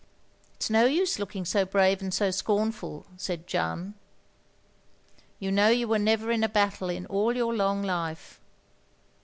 " It is no use looking so brave and so scornful," said Jeanne,' "you know you were never in a battle in all your long life."